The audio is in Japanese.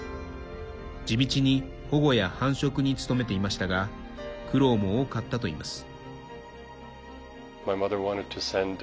地道に保護や繁殖に努めていましたが苦労も多かったといいます。